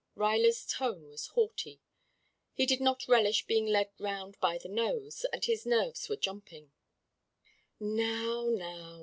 Ruyler's tone was haughty. He did not relish being led round by the nose, and his nerves were jumping. "Now! Now!"